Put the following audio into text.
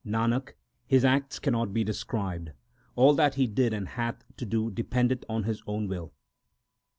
Nanak, His acts cannot be described. All that He did and hath to do dependeth on His own will.